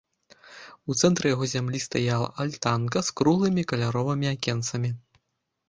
У цэнтры яго зямлі стаяла альтанка з круглымі каляровымі акенцамі.